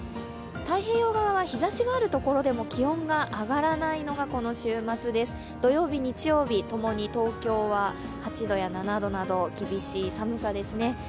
太平洋側は日ざしのある所でも気温が上がらないのがこの週末です、土曜日日曜日、ともに東京は８度や７度など厳しい寒さですね。